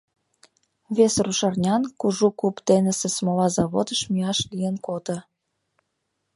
Вес рушарнян Кужу куп денысе смола заводыш мияш лийын кодо.